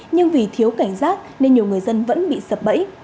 nhưng vì thiếu cảnh giác nên nhiều người dân vẫn bị sập bẫy